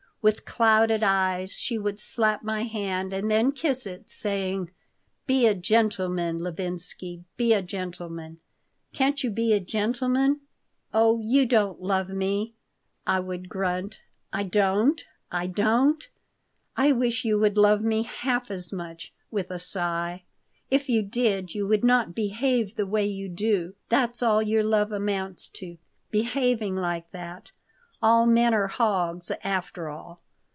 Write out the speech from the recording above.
With clouded eyes she would slap my hand and then kiss it, saying: "Be a gentleman, Levinsky. Be a gentleman. Can't you be a gentleman?" "Oh, you don't love me," I would grunt "I don't? I don't? I wish you would love me half as much," with a sigh. "If you did you would not behave the way you do. That's all your love amounts to behaving like that. All men are hogs, after all."